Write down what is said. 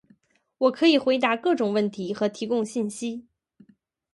我可以回答各种问题和提供信息。